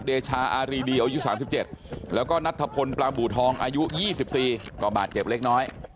เดชาอารีเดียวอายุ๓๗แล้วก็นัทธพลปลาบูทองอายุ๒๔ก็บาดเจ็บเล็กน้อย